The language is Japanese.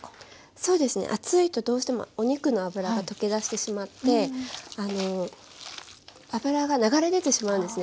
そうですね熱いとどうしてもお肉の脂が溶けだしてしまって脂が流れでてしまうんですね